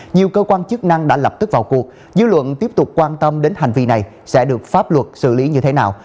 nhiều cơ quan chức năng đã lập tức vào cuộc dư luận tiếp tục quan tâm đến hành vi này sẽ được pháp luật xử lý như thế nào